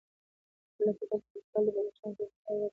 لکه دلته لیکوال د بدخشان ځېنې خواړه راپېژندلي دي،